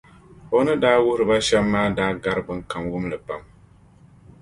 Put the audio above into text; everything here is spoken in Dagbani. O ni daa wuhiri ba shɛm maa daa gari bɛnkam wum li pam.